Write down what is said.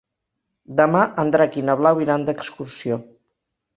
Demà en Drac i na Blau iran d'excursió.